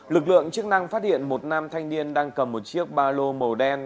lực lượng chức năng phát hiện một nam thanh niên đang cầm một chiếc ba lô màu đen